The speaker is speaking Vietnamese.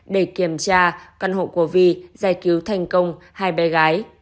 để kiểm tra căn hộ của vi giải cứu thành công hai bé gái